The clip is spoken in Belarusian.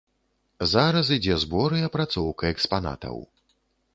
Зараз ідзе збор і апрацоўка экспанатаў.